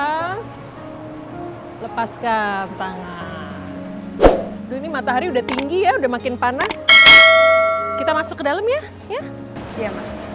hai lepaskan tangan dunia matahari udah tinggi ya udah makin panas kita masuk ke dalam ya ya